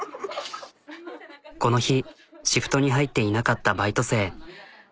この日シフトに入っていなかったバイト生。